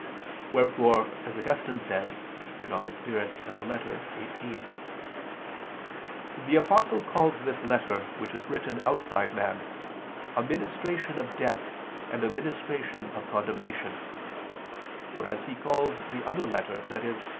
Wherefore, as Augustine says (De Spir. et Lit. xviii), "the Apostle calls this letter which is written outside man, a ministration of death and a ministration of condemnation: whereas he calls the other letter, i.e.